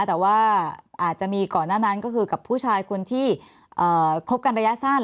แต่ว่าอาจจะมีก่อนหน้านั้นก็คือกับผู้ชายคนที่คบกันระยะสั้น